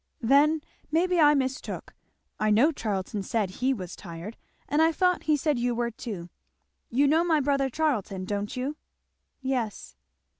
"Then maybe I mistook. I know Charlton said he was tired, and I thought he said you were too. You know my brother Charlton, don't you?" "Yes."